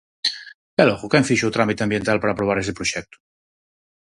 E logo ¿quen fixo o trámite ambiental para aprobar ese proxecto?